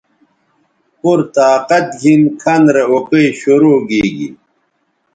پورطاقت گھن کھن رے اوکئ شرو گیگی